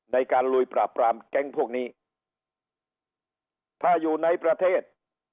ในการลุยปราบปรามแก๊งพวกนี้ถ้าอยู่ในประเทศ